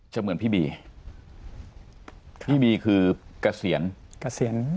เหมือนพี่บีพี่บีคือเกษียณเกษียณ